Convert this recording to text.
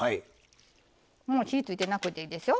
もう火付いてなくていいですよ。